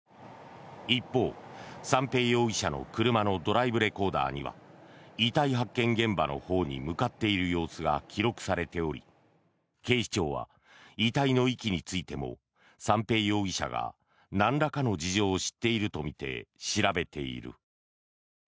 一方、三瓶容疑者の車のドライブレコーダーには遺体発見現場のほうに向かっている様子が記録されており警視庁は、遺体の遺棄についても三瓶容疑者がなんらかの事情を知っているとみて調べています。